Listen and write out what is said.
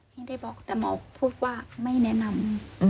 ไม่ได้บอกแต่หมอพูดว่าไม่แนะนำ